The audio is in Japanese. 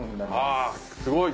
あすごい！